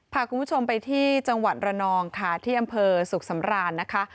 พาคุณผู้ชมไปที่จังหวัดระนองค่ะที่อำเภอสุขสำราญนะคะ